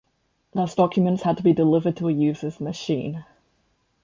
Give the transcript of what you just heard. Thus documents had to be delivered to a user's "machine".